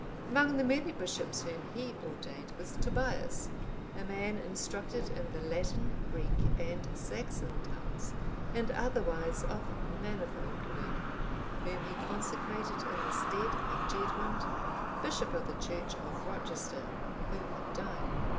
Among the many bishops whom he ordained was Tobias,(812) a man instructed in the Latin, Greek, and Saxon tongues, and otherwise of manifold learning, whom he consecrated in the stead of Gedmund, bishop of the Church of Rochester, who had died.